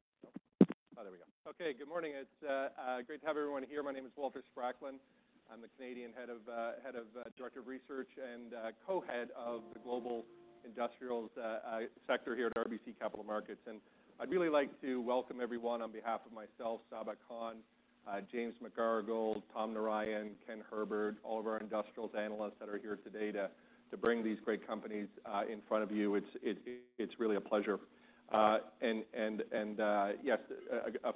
Everyone hear me yet? Oh, there we go. Okay, good morning. It's great to have everyone here. My name is Walter Spracklin. I'm the Canadian Head of Director of Research and Co-Head of the global industrials sector here at RBC Capital Markets. And I'd really like to welcome everyone on behalf of myself, Sabahat Khan, James McGarragle, Tom Narayan, Ken Herbert, all of our industrials analysts that are here today to bring these great companies in front of you. It's really a pleasure, and yes, a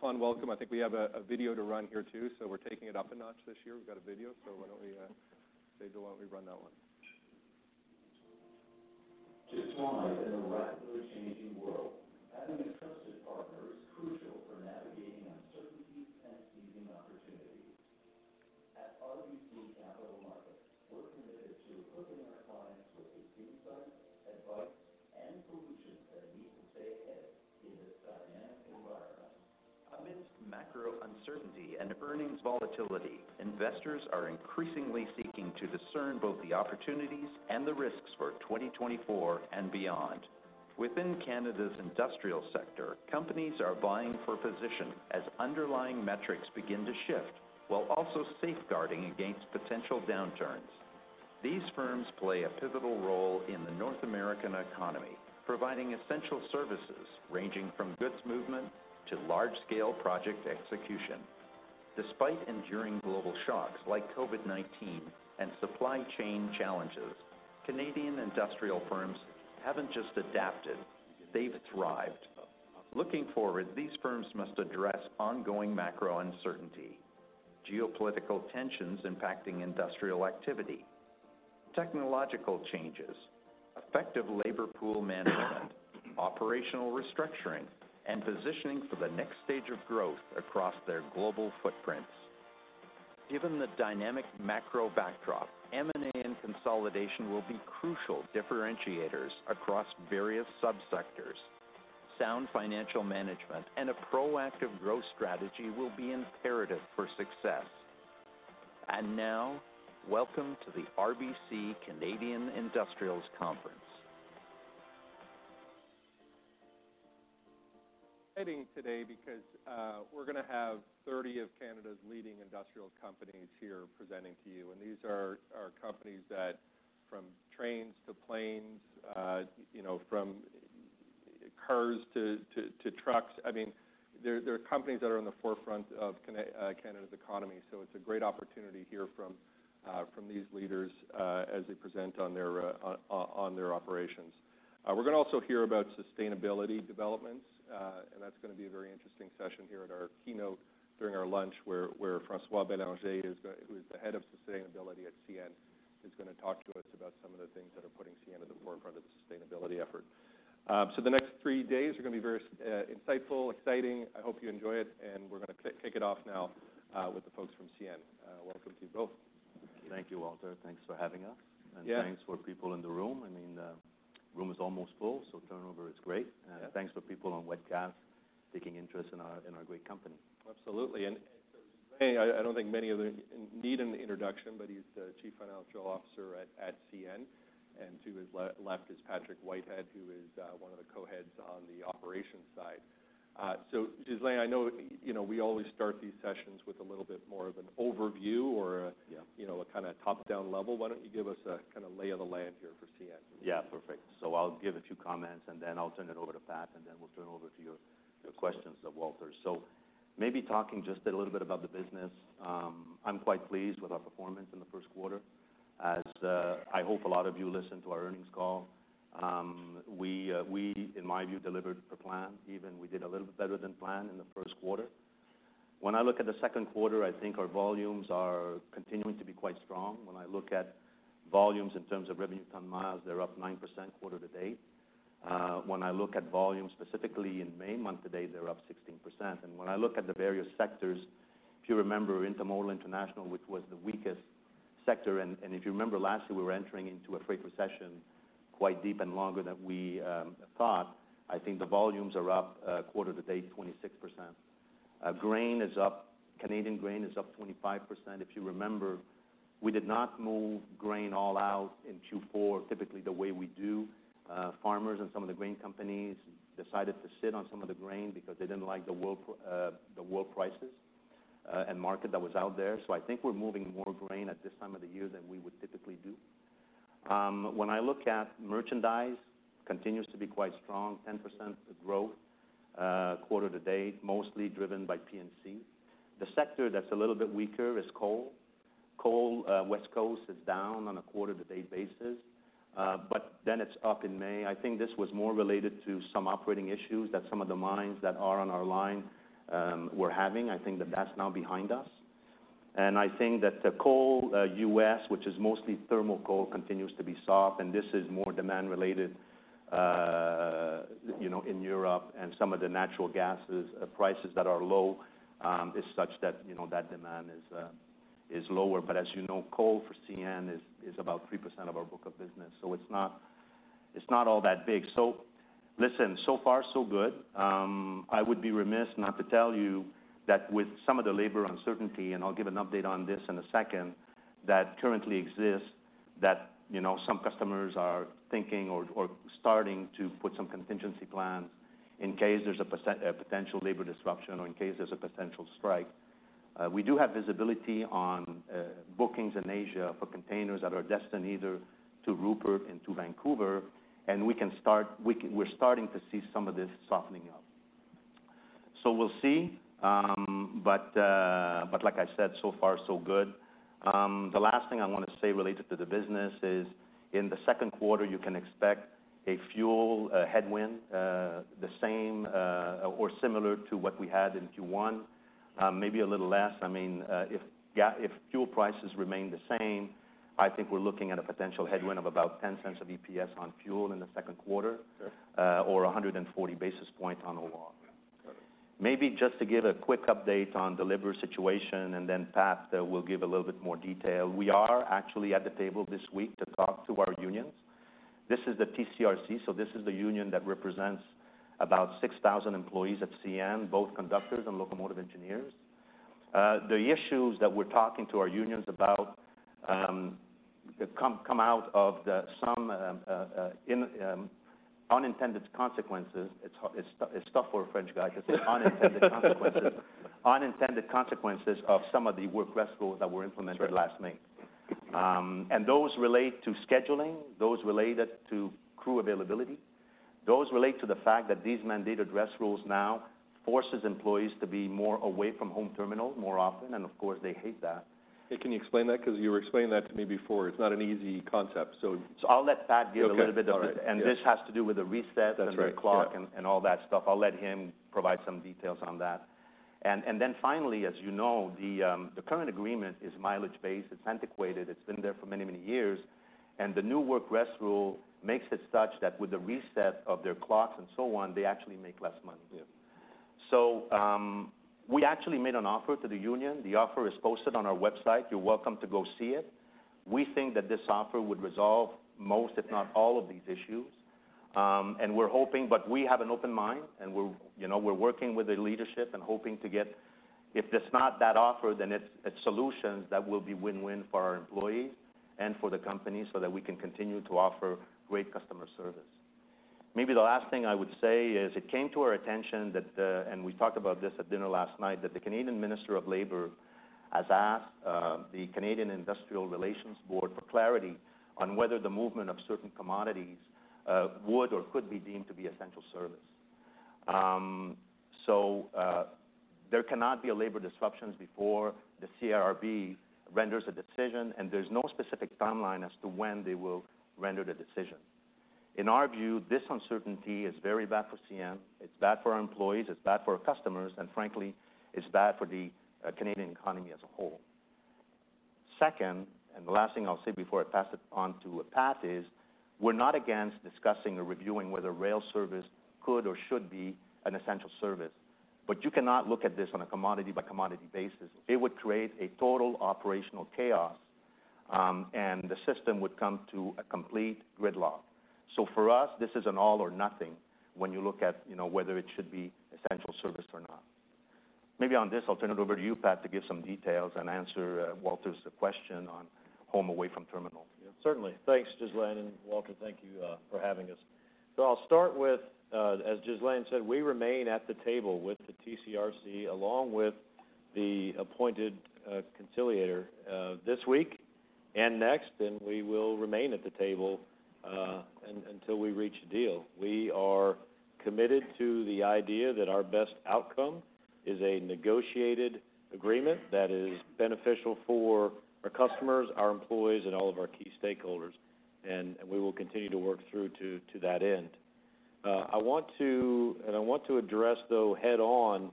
fun welcome. I think we have a video to run here too, so we're taking it up a notch this year. We've got a video, so why don't we say to everyone we run that one. To thrive in a rapidly changing world, having trusted partners is crucial for navigating uncertainties and seizing opportunities. At RBC Capital Markets, we're committed to equipping our clients with the insights, advice, and solutions that need to stay ahead in this dynamic environment. Amidst macro uncertainty and earnings volatility, investors are increasingly seeking to discern both the opportunities and the risks for 2024 and beyond. Within Canada's industrial sector, companies are vying for position as underlying metrics begin to shift, while also safeguarding against potential downturns. These firms play a pivotal role in the North American economy, providing essential services ranging from goods movement to large-scale project execution. Despite enduring global shocks like COVID-19 and supply chain challenges, Canadian industrial firms haven't just adapted. They've thrived. Looking forward, these firms must address ongoing macro uncertainty: geopolitical tensions impacting industrial activity, technological changes, effective labor pool management, operational restructuring, and positioning for the next stage of growth across their global footprints. Given the dynamic macro backdrop, M&A and consolidation will be crucial differentiators across various subsectors. Sound financial management and a proactive growth strategy will be imperative for success. And now, welcome to the RBC Canadian Industrials Conference. Exciting today because we're gonna have 30 of Canada's leading industrials companies here presenting to you. And these are companies that from trains to planes, you know, from cars to trucks—I mean, they're companies that are in the forefront of Canada's economy. So it's a great opportunity to hear from these leaders as they present on their operations. We're gonna also hear about sustainability developments, and that's gonna be a very interesting session here at our keynote during our lunch where François Bélanger—who is the head of sustainability at CN—is gonna talk to us about some of the things that are putting CN to the forefront of the sustainability effort. So the next three days are gonna be very insightful, exciting. I hope you enjoy it, and we're gonna kick it off now with the folks from CN. Welcome to you both. Thank you, Walter. Thanks for having us. Yeah. Thanks for people in the room. I mean, the room is almost full, so turnover is great. Yeah. Thanks for people on webcast taking interest in our great company. Absolutely. So Ghislain, I don't think many of them need an introduction, but he's Chief Financial Officer at CN. And to his left is Patrick Whitehead, who is one of the co-heads on the operations side. So Ghislain, I know, you know, we always start these sessions with a little bit more of an overview or a. Yeah. You know, a kinda top-down level. Why don't you give us a kinda lay of the land here for CN? Yeah, perfect. So I'll give a few comments, and then I'll turn it over to Pat, and then we'll turn over to your, your questions of Walter. So maybe talking just a little bit about the business. I'm quite pleased with our performance in the first quarter. As, I hope a lot of you listen to our earnings call, we, we, in my view, delivered per plan. Even we did a little bit better than planned in the first quarter. When I look at the second quarter, I think our volumes are continuing to be quite strong. When I look at volumes in terms of revenue ton miles, they're up 9% quarter to date. When I look at volume specifically in May month to date, they're up 16%. When I look at the various sectors, if you remember, Intermodal International, which was the weakest sector - and if you remember last year, we were entering into a freight recession quite deep and longer than we thought - I think the volumes are up, quarter to date, 26%. Grain is up - Canadian grain is up 25%. If you remember, we did not move grain all out in Q4 typically the way we do. Farmers and some of the grain companies decided to sit on some of the grain because they didn't like the world prices and market that was out there. So I think we're moving more grain at this time of the year than we would typically do. When I look at merchandise, it continues to be quite strong, 10% growth, quarter to date, mostly driven by P&C. The sector that's a little bit weaker is coal. Coal, West Coast, is down on a quarter-to-date basis, but then it's up in May. I think this was more related to some operating issues that some of the mines that are on our line were having. I think that that's now behind us. I think that the coal, U.S., which is mostly thermal coal, continues to be soft. This is more demand-related, you know, in Europe. Some of the natural gas prices that are low is such that, you know, that demand is lower. But as you know, coal for CN is about 3% of our book of business. So it's not all that big. So listen, so far, so good. I would be remiss not to tell you that with some of the labor uncertainty—and I'll give an update on this in a second—that currently exists, that, you know, some customers are thinking or starting to put some contingency plans in case there's a potential labor disruption or in case there's a potential strike. We do have visibility on bookings in Asia for containers that are destined either to Rupert and to Vancouver. And we can—we're starting to see some of this softening up. So we'll see, but like I said, so far, so good. The last thing I wanna say related to the business is in the second quarter, you can expect a fuel headwind, the same or similar to what we had in Q1, maybe a little less. I mean, if fuel prices remain the same, I think we're looking at a potential headwind of about 0.10 of EPS on fuel in the second quarter. Sure. or 140 basis points on oil. Got it. Maybe just to give a quick update on delivery situation, and then Pat will give a little bit more detail. We are actually at the table this week to talk to our unions. This is the TCRC, so this is the union that represents about 6,000 employees at CN, both conductors and locomotive engineers. The issues that we're talking to our unions about come out of some unintended consequences—it's tough for a French guy to say unintended consequences—unintended consequences of some of the work/rest rules that were implemented last May. Sure. Those relate to scheduling. Those related to crew availability. Those relate to the fact that these mandated rest rules now force employees to be more away from home terminals more often. Of course, they hate that. Hey, can you explain that? 'Cause you were explaining that to me before. It's not an easy concept, so. I'll let Pat give a little bit of. All right. This has to do with the reset and the clock. That's right. And all that stuff. I'll let him provide some details on that. And then finally, as you know, the current agreement is mileage-based. It's antiquated. It's been there for many, many years. And the new work/rest rule makes it such that with the reset of their clocks and so on, they actually make less money. Yeah. So, we actually made an offer to the union. The offer is posted on our website. You're welcome to go see it. We think that this offer would resolve most, if not all, of these issues. We're hoping—but we have an open mind, and we're, you know, we're working with the leadership and hoping to get—if it's not that offer, then it's, it's solutions that will be win-win for our employees and for the company so that we can continue to offer great customer service. Maybe the last thing I would say is it came to our attention that—and we talked about this at dinner last night—that the Canadian Minister of Labor has asked the Canada Industrial Relations Board for clarity on whether the movement of certain commodities would or could be deemed to be essential service. So, there cannot be labor disruptions before the CIRB renders a decision, and there's no specific timeline as to when they will render the decision. In our view, this uncertainty is very bad for CN. It's bad for our employees. It's bad for our customers. And frankly, it's bad for the Canadian economy as a whole. Second, and the last thing I'll say before I pass it on to Pat is we're not against discussing or reviewing whether rail service could or should be an essential service. But you cannot look at this on a commodity-by-commodity basis. It would create a total operational chaos, and the system would come to a complete gridlock. So for us, this is an all-or-nothing when you look at, you know, whether it should be essential service or not. Maybe on this, I'll turn it over to you, Pat, to give some details and answer Walter's question on home away from terminals. Yeah, certainly. Thanks, Ghislain. And Walter, thank you, for having us. So I'll start with, as Ghislain said, we remain at the table with the TCRC along with the appointed conciliator, this week and next. And we will remain at the table, until we reach a deal. We are committed to the idea that our best outcome is a negotiated agreement that is beneficial for our customers, our employees, and all of our key stakeholders. And we will continue to work through to that end. I want to, and I want to address, though, head-on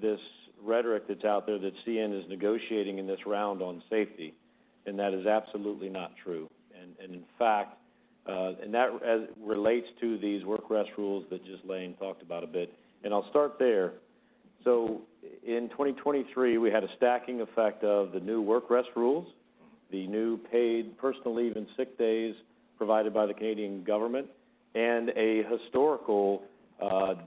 this rhetoric that's out there that CN is negotiating in this round on safety. And that is absolutely not true. And in fact, and that as relates to these work/rest rules that Ghislain talked about a bit. And I'll start there. So in 2023, we had a stacking effect of the new work/rest rules, the new paid personal leave and sick days provided by the Canadian government, and a historical,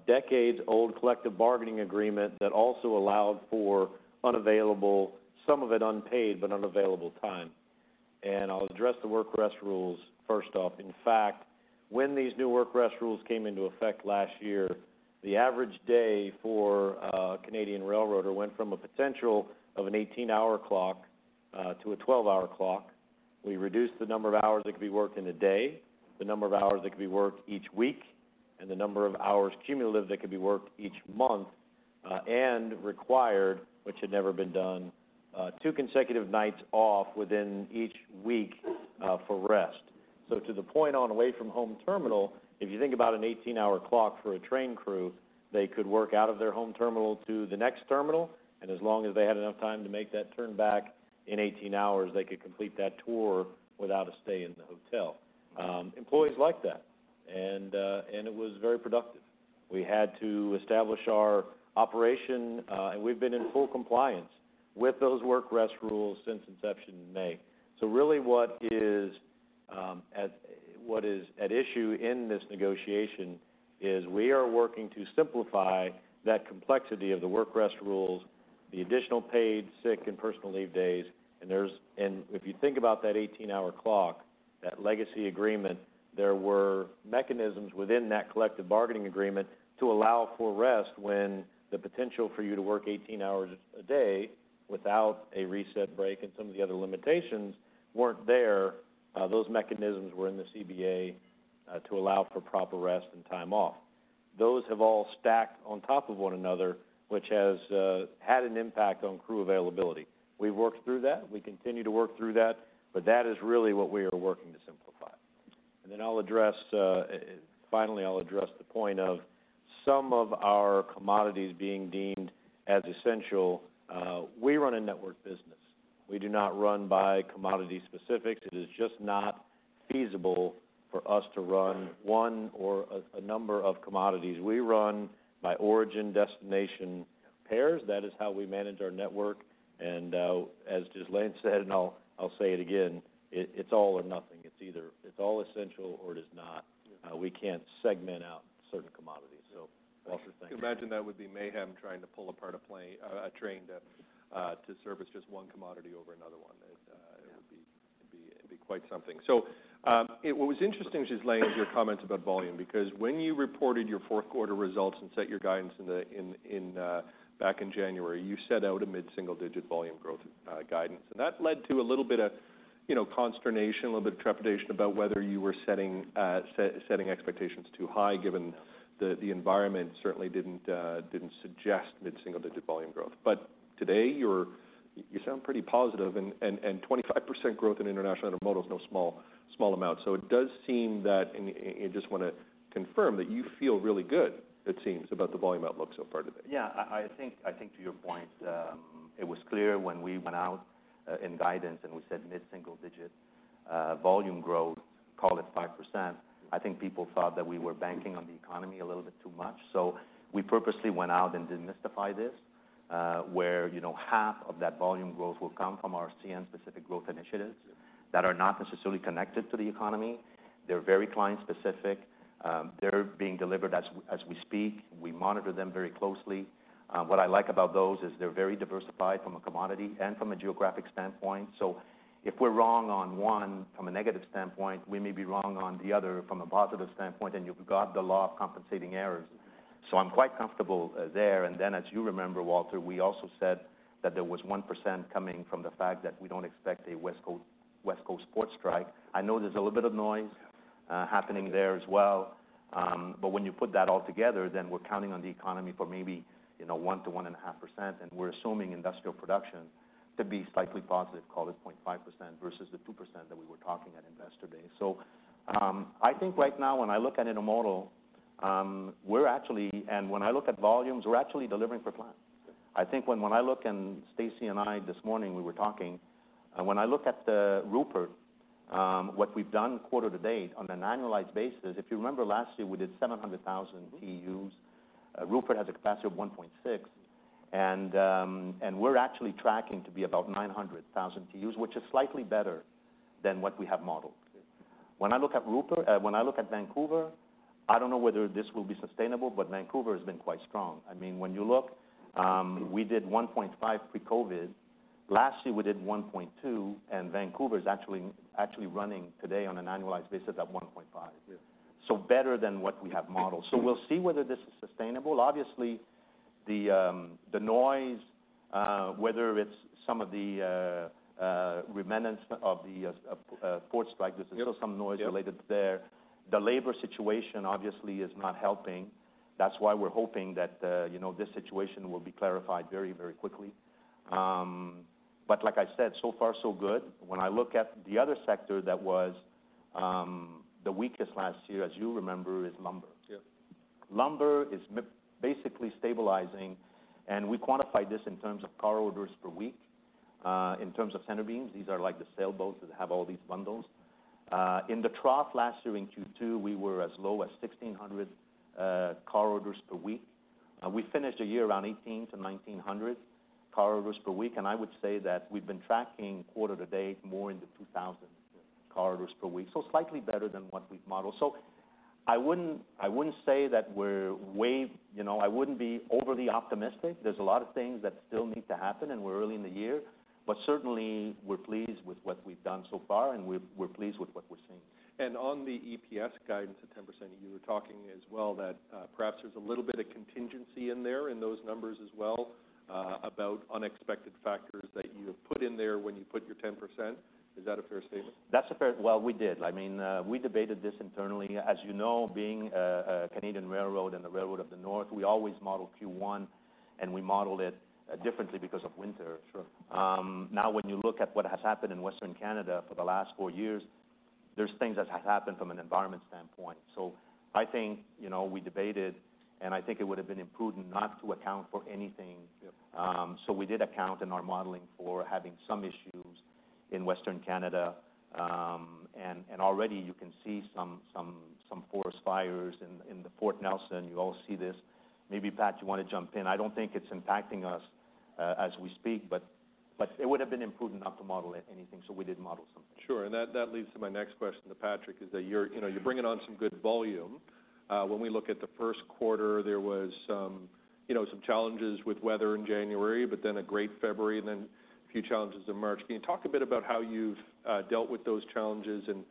decades-old collective bargaining agreement that also allowed for unavailable, some of it unpaid but unavailable, time. I'll address the work/rest rules first off. In fact, when these new work/rest rules came into effect last year, the average day for Canadian railroader went from a potential of an 18-hour clock to a 12-hour clock. We reduced the number of hours that could be worked in a day, the number of hours that could be worked each week, and the number of hours cumulative that could be worked each month, and required, which had never been done, two consecutive nights off within each week for rest. So, to the point on away from home terminal, if you think about an 18-hour clock for a train crew, they could work out of their home terminal to the next terminal. And as long as they had enough time to make that turn back in 18 hours, they could complete that tour without a stay in the hotel. Employees liked that. And it was very productive. We had to establish our operation, and we've been in full compliance with those work/rest rules since inception in May. So really, what is at issue in this negotiation is we are working to simplify that complexity of the work/rest rules, the additional paid sick and personal leave days. And if you think about that 18-hour clock, that legacy agreement, there were mechanisms within that collective bargaining agreement to allow for rest when the potential for you to work 18 hours a day without a reset break and some of the other limitations weren't there. Those mechanisms were in the CBA, to allow for proper rest and time off. Those have all stacked on top of one another, which has had an impact on crew availability. We've worked through that. We continue to work through that. But that is really what we are working to simplify. And then I'll address, finally, I'll address the point of some of our commodities being deemed as essential. We run a network business. We do not run by commodity specifics. It is just not feasible for us to run one or a number of commodities. We run by origin-destination pairs. That is how we manage our network. As Ghislain said, and I'll say it again, it's all or nothing. It's either all essential or it is not. Yeah. We can't segment out certain commodities. So Walter, thank you. Imagine that would be mayhem trying to pull apart a plane, a train to service just one commodity over another one. It would be quite something. So, what was interesting, Ghislain, is your comments about volume. Because when you reported your fourth quarter results and set your guidance in the, in back in January, you set out a mid-single-digit volume growth guidance. And that led to a little bit of, you know, consternation, a little bit of trepidation about whether you were setting expectations too high given the environment certainly didn't suggest mid-single-digit volume growth. But today, you sound pretty positive. And 25% growth in international automotives, no small amount. So it does seem that I just wanna confirm that you feel really good, it seems, about the volume outlook so far today. Yeah. I think to your point, it was clear when we went out in guidance and we said mid-single-digit volume growth, call it 5%. I think people thought that we were banking on the economy a little bit too much. So we purposely went out and demystified this, where, you know, half of that volume growth will come from our CN-specific growth initiatives that are not necessarily connected to the economy. They're very client-specific. They're being delivered as we speak. We monitor them very closely. What I like about those is they're very diversified from a commodity and from a geographic standpoint. So if we're wrong on one from a negative standpoint, we may be wrong on the other from a positive standpoint. And you've got the law of compensating errors. So I'm quite comfortable there. And then as you remember, Walter, we also said that there was 1% coming from the fact that we don't expect a West Coast-West Coast port strike. I know there's a little bit of noise happening there as well. But when you put that all together, then we're counting on the economy for maybe, you know, 1%-1.5%. And we're assuming industrial production to be slightly positive, call it 0.5%, versus the 2% that we were talking at investor day. So, I think right now, when I look at Intermodal, we're actually—and when I look at volumes, we're actually delivering per plan. Sure. I think when I look, and Stacy and I this morning, we were talking, when I look at the Rupert, what we've done quarter to date on an annualized basis, if you remember last year, we did 700,000 TEUs. Mm-hmm. Rupert has a capacity of 1.6. And we're actually tracking to be about 900,000 TEUs, which is slightly better than what we have modeled. Sure. When I look at Rupert, when I look at Vancouver, I don't know whether this will be sustainable, but Vancouver has been quite strong. I mean, when you look, we did 1.5 pre-COVID. Last year, we did 1.2. And Vancouver's actually, actually running today on an annualized basis at 1.5. Yeah. So better than what we have modeled. Sure. So we'll see whether this is sustainable. Obviously, the noise, whether it's some of the remnants of the port strike, there's still some noise related there. Yeah. The labor situation, obviously, is not helping. That's why we're hoping that, you know, this situation will be clarified very, very quickly. But like I said, so far, so good. When I look at the other sector that was, the weakest last year, as you remember, is lumber. Yeah. Lumber is basically stabilizing. We quantify this in terms of car orders per week, in terms of Centerbeams. These are like the sailboats that have all these bundles. In the trough last year in Q2, we were as low as 1,600 car orders per week. We finished the year around 1,800-1,900 car orders per week. I would say that we've been tracking quarter to date more in the 2,000 car orders per week. So slightly better than what we've modeled. So I wouldn't—I wouldn't say that we're way—you know, I wouldn't be overly optimistic. There's a lot of things that still need to happen. We're early in the year. But certainly, we're pleased with what we've done so far. And we're, we're pleased with what we're seeing. On the EPS guidance at 10%, you were talking as well that, perhaps there's a little bit of contingency in there in those numbers as well, about unexpected factors that you have put in there when you put your 10%. Is that a fair statement? That's a fair, well, we did. I mean, we debated this internally. As you know, being Canadian railroad and the railroad of the North, we always model Q1. We modeled it differently because of winter. Sure. Now, when you look at what has happened in Western Canada for the last four years, there's things that have happened from an environment standpoint. So I think, you know, we debated. And I think it would have been prudent not to account for anything. Yeah. So we did account in our modeling for having some issues in Western Canada. And already, you can see some forest fires in the Fort Nelson. You all see this. Maybe, Pat, you wanna jump in. I don't think it's impacting us, as we speak. But it would have been imprudent not to model it anything. So we did model something. Sure. And that, that leads to my next question to Patrick, is that you're—you know, you're bringing on some good volume. When we look at the first quarter, there was some, you know, some challenges with weather in January, but then a great February, and then a few challenges in March. Can you talk a bit about how you've, dealt with those challenges? And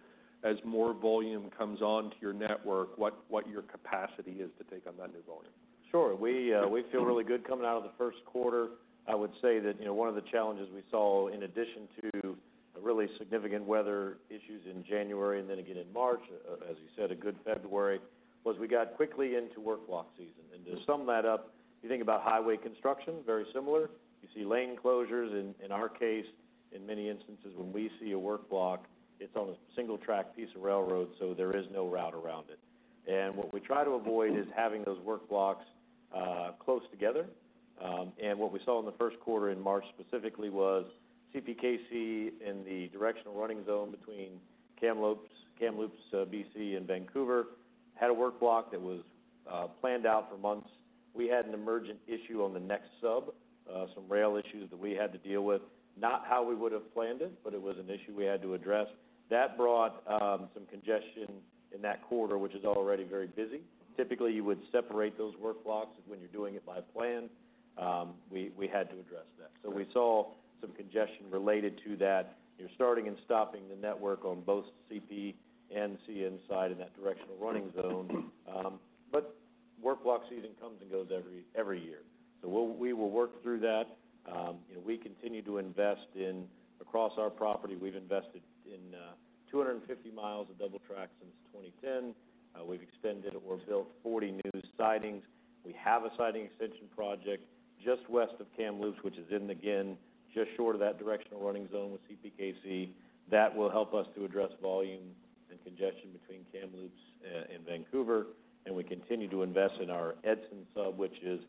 as more volume comes on to your network, what, what your capacity is to take on that new volume? Sure. We, we feel really good coming out of the first quarter. I would say that, you know, one of the challenges we saw in addition to really significant weather issues in January and then again in March, as you said, a good February, was we got quickly into work block season. And to sum that up, you think about highway construction, very similar. You see lane closures. And in our case, in many instances, when we see a work block, it's on a single-track piece of railroad. So there is no route around it. And what we try to avoid is having those work blocks close together. And what we saw in the first quarter in March specifically was CPKC in the directional running zone between Kamloops, Kamloops, BC and Vancouver had a work block that was planned out for months. We had an emergent issue on the next sub, some rail issues that we had to deal with. Not how we would have planned it, but it was an issue we had to address. That brought some congestion in that quarter, which is already very busy. Typically, you would separate those work blocks when you're doing it by plan. We had to address that. So we saw some congestion related to that, you know, starting and stopping the network on both CP and CN side in that directional running zone. But work block season comes and goes every year. So we'll—we will work through that. You know, we continue to invest in across our property. We've invested in 250 miles of double track since 2010. We've extended or built 40 new sidings. We have a siding extension project just west of Kamloops, which is in the GIN, just short of that directional running zone with CPKC. That will help us to address volume and congestion between Kamloops and Vancouver. We continue to invest in our Edson sub, which is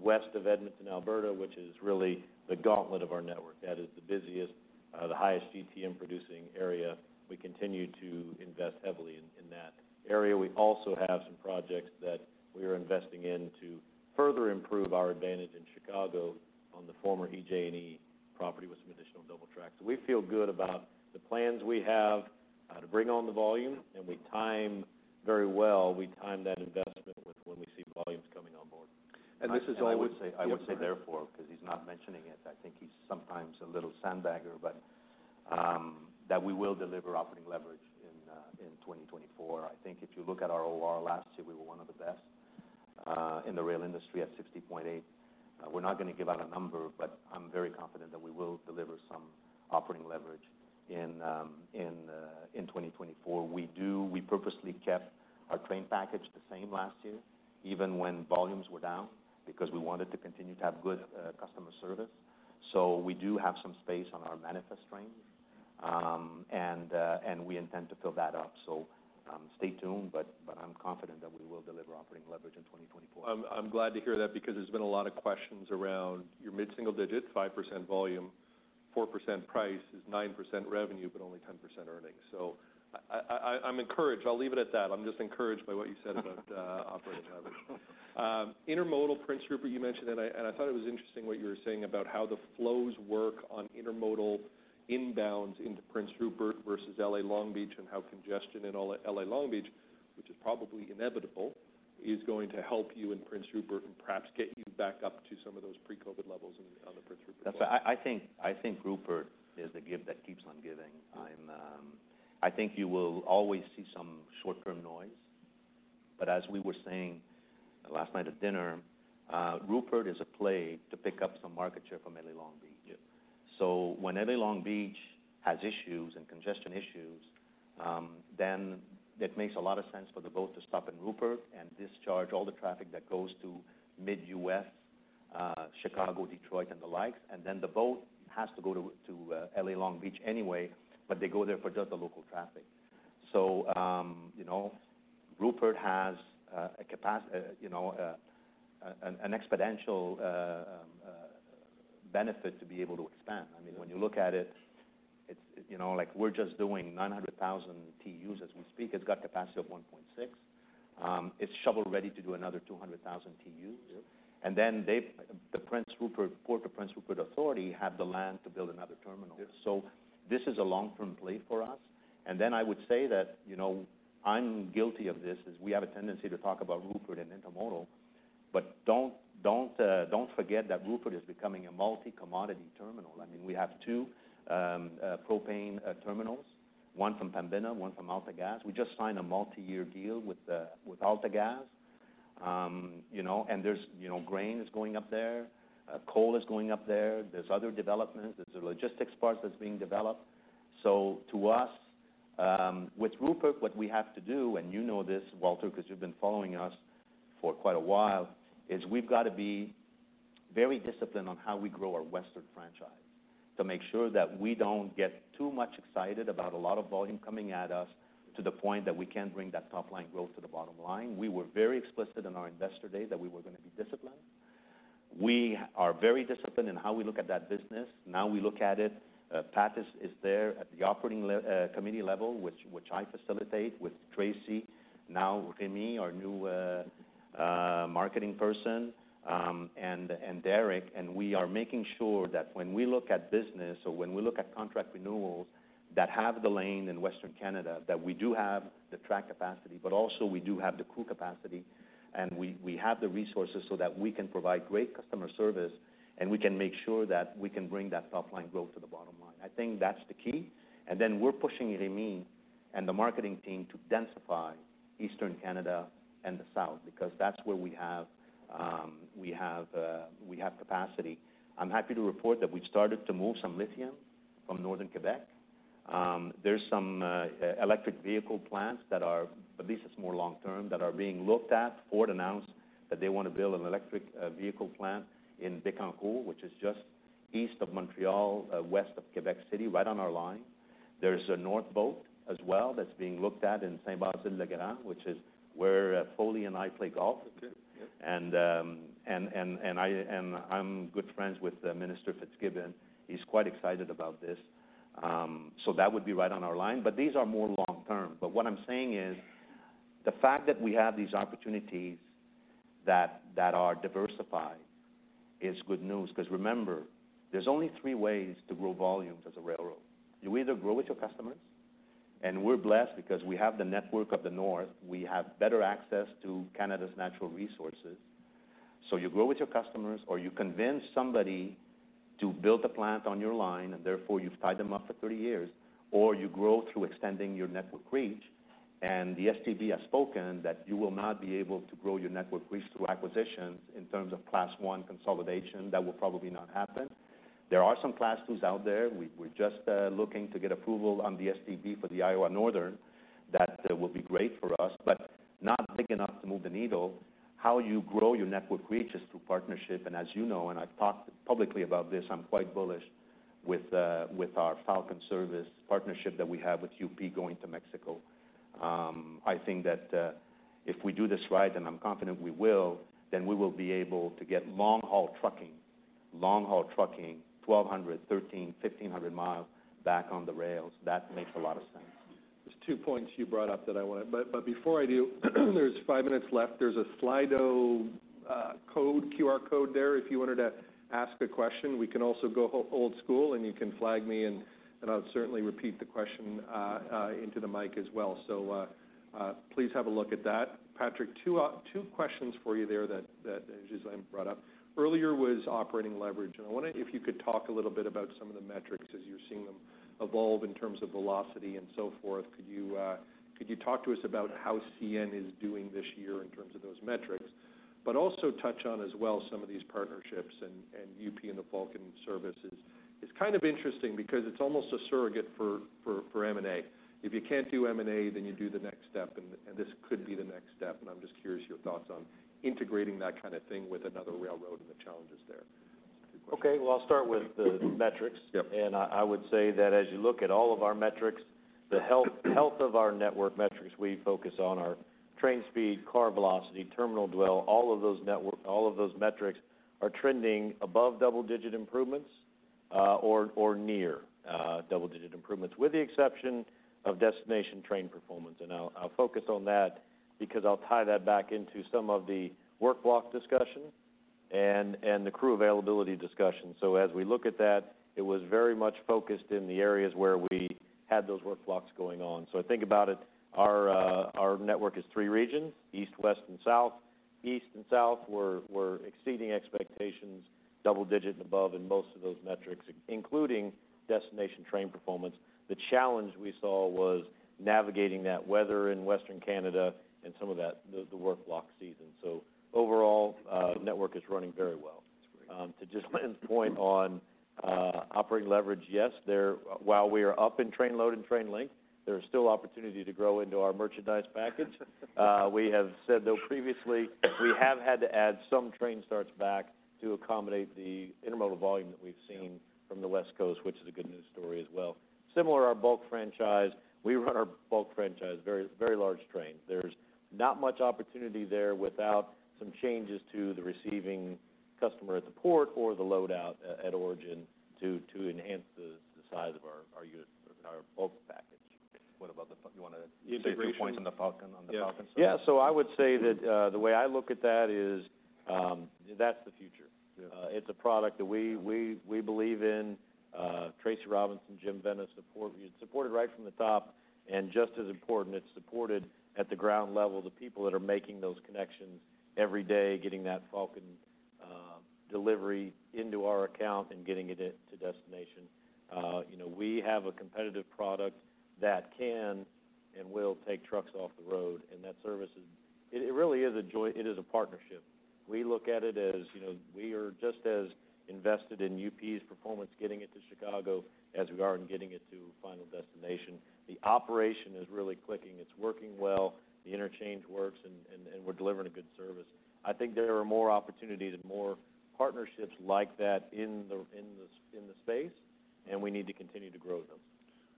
west of Edmonton, Alberta, which is really the gauntlet of our network. That is the busiest, the highest GTM producing area. We continue to invest heavily in that area. We also have some projects that we are investing in to further improve our advantage in Chicago on the former EJ&E property with some additional double tracks. We feel good about the plans we have to bring on the volume. We time very well. We time that investment with when we see volumes coming on board. This is always. I would say, I would say therefore, 'cause he's not mentioning it, I think he's sometimes a little sandbagger, but that we will deliver operating leverage in 2024. I think if you look at our OR last year, we were one of the best in the rail industry at 60.8. We're not gonna give out a number, but I'm very confident that we will deliver some operating leverage in 2024. We do, we purposely kept our train package the same last year, even when volumes were down, because we wanted to continue to have good customer service. So we do have some space on our manifest trains, and we intend to fill that up. So, stay tuned. But I'm confident that we will deliver operating leverage in 2024. I'm glad to hear that because there's been a lot of questions around your mid-single digit 5% volume, 4% price, is 9% revenue but only 10% earnings. So I'm encouraged. I'll leave it at that. I'm just encouraged by what you said about operating leverage. Intermodal Prince Rupert, you mentioned that. And I thought it was interesting what you were saying about how the flows work on intermodal inbounds into Prince Rupert versus L.A. Long Beach and how congestion in all L.A. Long Beach, which is probably inevitable, is going to help you in Prince Rupert and perhaps get you back up to some of those pre-COVID levels in on the Prince Rupert road. That's right. I think Rupert is the gift that keeps on giving. I think you will always see some short-term noise. But as we were saying last night at dinner, Rupert is a play to pick up some market share from L.A. Long Beach. Yeah. So when L.A. Long Beach has issues and congestion issues, then it makes a lot of sense for the boat to stop in Rupert and discharge all the traffic that goes to Mid-U.S., Chicago, Detroit, and the likes. And then the boat has to go to LA Long Beach anyway. But they go there for just the local traffic. So, you know, Rupert has a capacity—you know, an exponential benefit to be able to expand. I mean, when you look at it, it's, you know, like, we're just doing 900,000 TEUs as we speak. It's got capacity of 1.6. It's shovel-ready to do another 200,000 TEUs. Yeah. Then the Port of Prince Rupert Authority have the land to build another terminal. Yeah. So this is a long-term play for us. And then I would say that, you know, I'm guilty of this, is we have a tendency to talk about Rupert and intermodal. But don't, don't, don't forget that Rupert is becoming a multi-commodity terminal. I mean, we have two propane terminals, one from Pembina, one from AltaGas. We just signed a multi-year deal with, with AltaGas. You know, and there's, you know, grain is going up there. Coal is going up there. There's other developments. There's a logistics part that's being developed. So to us, with Rupert, what we have to do - and you know this, Walter, 'cause you've been following us for quite a while - is we've gotta be very disciplined on how we grow our Western franchise to make sure that we don't get too much excited about a lot of volume coming at us to the point that we can't bring that top-line growth to the bottom line. We were very explicit in our investor day that we were gonna be disciplined. We are very disciplined in how we look at that business. Now we look at it, Pat is there at the operating exec committee level, which I facilitate with Tracy, now Rémi, our new marketing person, and Derek. We are making sure that when we look at business or when we look at contract renewals that have the lane in Western Canada, that we do have the track capacity. But also, we do have the crew capacity. And we, we have the resources so that we can provide great customer service. And we can make sure that we can bring that top-line growth to the bottom line. I think that's the key. And then we're pushing Rémi and the marketing team to densify Eastern Canada and the South because that's where we have, we have, we have capacity. I'm happy to report that we've started to move some lithium from Northern Quebec. There's some electric vehicle plants that are, at least it's more long-term, that are being looked at. Ford announced that they wanna build an electric vehicle plant in Bécancour, which is just east of Montreal, west of Quebec City, right on our line. There's a Northvolt as well that's being looked at in Saint-Basile-le-Grand, which is where Foley and I play golf. Okay. Yeah. I'm good friends with Minister Fitzgibbon. He's quite excited about this. So that would be right on our line. But these are more long-term. But what I'm saying is the fact that we have these opportunities that are diversified is good news. 'Cause remember, there's only three ways to grow volumes as a railroad. You either grow with your customers. And we're blessed because we have the network of the North. We have better access to Canada's natural resources. So you grow with your customers, or you convince somebody to build a plant on your line, and therefore, you've tied them up for 30 years. Or you grow through extending your network reach. And the STB has spoken that you will not be able to grow your network reach through acquisitions in terms of Class I consolidation. That will probably not happen. There are some Class IIs out there. We're just looking to get approval on the STB for the Iowa Northern that will be great for us. But not big enough to move the needle. How you grow your network reach is through partnership. And as you know, and I've talked publicly about this, I'm quite bullish with our Falcon service partnership that we have with UP going to Mexico. I think that, if we do this right, and I'm confident we will, then we will be able to get long-haul trucking, long-haul trucking, 1,200, 1,300, 1,500 miles back on the rails. That makes a lot of sense. There's two points you brought up that I wanna, but before I do, there's five minutes left. There's a Slido code, QR code there if you wanted to ask a question. We can also go old school. You can flag me. I'll certainly repeat the question into the mic as well. So, please have a look at that. Patrick, two, two questions for you there that Ghislain brought up. Earlier was operating leverage. I want if you could talk a little bit about some of the metrics as you're seeing them evolve in terms of velocity and so forth. Could you talk to us about how CN is doing this year in terms of those metrics? But also touch on as well some of these partnerships and UP and the Falcon service is kind of interesting because it's almost a surrogate for M&A. If you can't do M&A, then you do the next step. And this could be the next step. And I'm just curious your thoughts on integrating that kind of thing with another railroad and the challenges there. Two questions. Okay. Well, I'll start with the metrics. Yeah. I would say that as you look at all of our metrics, the health of our network metrics, we focus on our train speed, car velocity, terminal dwell. All of those metrics are trending above double-digit improvements, or near double-digit improvements, with the exception of destination train performance. I'll focus on that because I'll tie that back into some of the work block discussion and the crew availability discussion. So as we look at that, it was very much focused in the areas where we had those work blocks going on. So I think about it, our network is three regions, east, west, and south. East and south were exceeding expectations, double-digit and above in most of those metrics, including destination train performance. The challenge we saw was navigating that weather in Western Canada and some of that, the work block season. Overall, network is running very well. That's great. To just lend a point on operating leverage, yes, there while we are up in train load and train length, there is still opportunity to grow into our merchandise package. We have said though previously, we have had to add some train starts back to accommodate the intermodal volume that we've seen from the West Coast, which is a good news story as well. Similarly, our bulk franchise, we run our bulk franchise very, very large trains. There's not much opportunity there without some changes to the receiving customer at the port or the loadout at origin to enhance the size of our units, our bulk package. What about the few you wanna say? A few points on the Falcon, on the Falcon side? Yeah. So I would say that, the way I look at that is, that's the future. Yeah. It's a product that we believe in. Tracy Robinson, Jim Vena support, we had supported right from the top. And just as important, it's supported at the ground level, the people that are making those connections every day, getting that Falcon delivery into our account and getting it into destination. You know, we have a competitive product that can and will take trucks off the road. And that service is it, it really is a joint it is a partnership. We look at it as, you know, we are just as invested in UP's performance, getting it to Chicago, as we are in getting it to final destination. The operation is really clicking. It's working well. The interchange works. And we're delivering a good service. I think there are more opportunities and more partnerships like that in the space. We need to continue to grow them.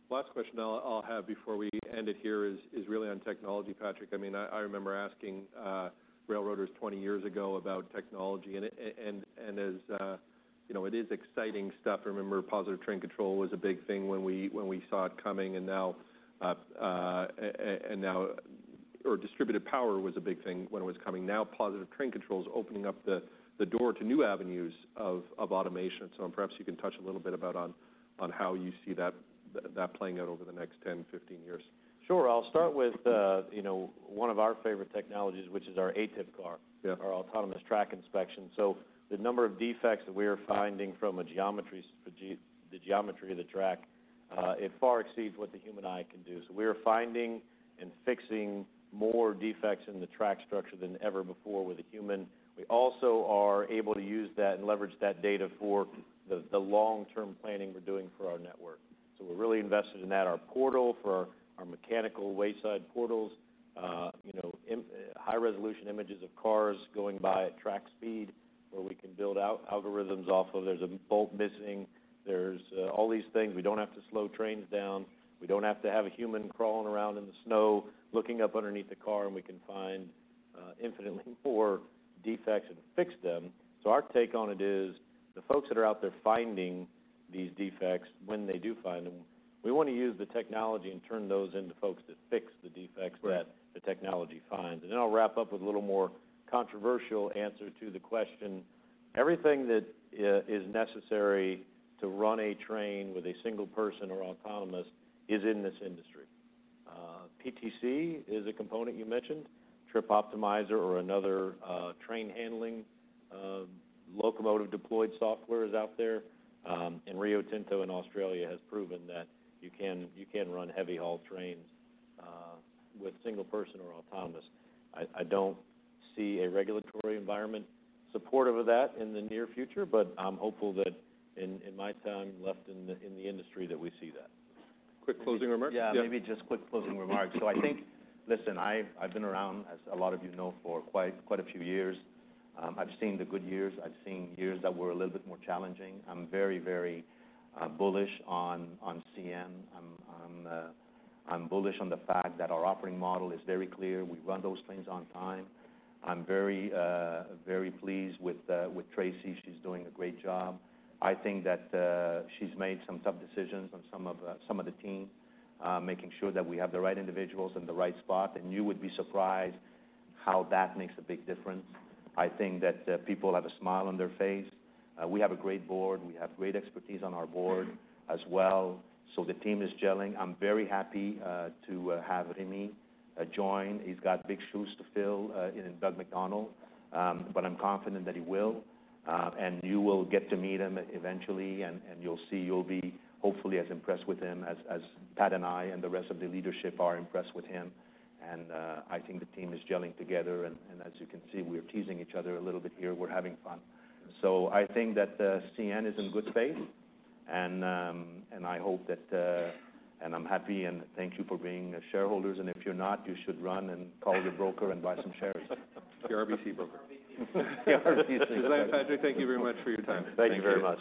Last question I'll have before we end it here is really on technology, Patrick. I mean, I remember asking railroaders 20 years ago about technology. And it and as you know it is exciting stuff. I remember Positive Train Control was a big thing when we saw it coming. And now, and now or distributed power was a big thing when it was coming. Now, Positive Train Control's opening up the door to new avenues of automation. So perhaps you can touch a little bit about on how you see that that playing out over the next 10-15 years. Sure. I'll start with, you know, one of our favorite technologies, which is our ATIP car. Yeah. Our autonomous track inspection. So the number of defects that we are finding from a geometry perspective for the geometry of the track, it far exceeds what the human eye can do. So we are finding and fixing more defects in the track structure than ever before with a human. We also are able to use that and leverage that data for the, the long-term planning we're doing for our network. So we're really invested in that. Our portal for our, our mechanical wayside portals, you know, in high-resolution images of cars going by at track speed where we can build out algorithms off of. There's a bolt missing. There's, all these things. We don't have to slow trains down. We don't have to have a human crawling around in the snow, looking up underneath the car. And we can find, infinitely more defects and fix them. Our take on it is the folks that are out there finding these defects. When they do find them, we wanna use the technology and turn those into folks that fix the defects that. Right. The technology finds. Then I'll wrap up with a little more controversial answer to the question. Everything that is necessary to run a train with a single person or autonomous is in this industry. PTC is a component you mentioned, Trip Optimizer or another, train handling, locomotive deployed software is out there. And Rio Tinto in Australia has proven that you can you can run heavy-haul trains with single person or autonomous. I, I don't see a regulatory environment supportive of that in the near future. But I'm hopeful that in, in my time left in the in the industry that we see that. Quick closing remarks? Yeah. Yeah. Maybe just quick closing remarks. So I think listen, I've been around, as a lot of you know, for quite a few years. I've seen the good years. I've seen years that were a little bit more challenging. I'm very bullish on CN. I'm bullish on the fact that our operating model is very clear. We run those trains on time. I'm very pleased with Tracy. She's doing a great job. I think that she's made some tough decisions on some of the team, making sure that we have the right individuals in the right spot. And you would be surprised how that makes a big difference. I think that people have a smile on their face. We have a great board. We have great expertise on our board as well. So the team is gelling. I'm very happy to have Rémi join. He's got big shoes to fill in Doug MacDonald, but I'm confident that he will, and you will get to meet him eventually. And you'll see, you'll be hopefully as impressed with him as Pat and I and the rest of the leadership are impressed with him. And I think the team is gelling together. And as you can see, we are teasing each other a little bit here. We're having fun. So I think that CN is in good faith. And I hope that, and I'm happy. And thank you for being shareholders. And if you're not, you should run and call your broker and buy some shares. PRBC broker. PRBC. Ghislain, Patrick, thank you very much for your time. Thank you very much.